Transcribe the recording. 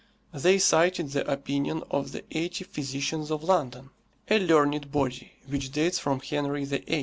They cited the opinion of the Eighty physicians of London, a learned body which dates from Henry VIII.